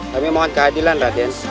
kami mohon keadilan raden